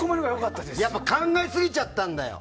やっぱ考えすぎちゃったんだよ。